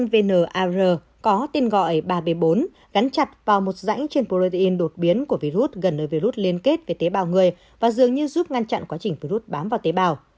vnar có tên gọi ba b bốn gắn chặt vào một rãnh trên protein đột biến của virus gần nơi virus liên kết với tế bào người và dường như giúp ngăn chặn quá trình virus bám vào tế bào